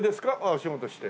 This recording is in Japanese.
お仕事して。